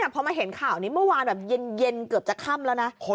พอมาเห็นข่าวนี้เมื่อวานแบบเย็นเกือบจะค่ำแล้วนะ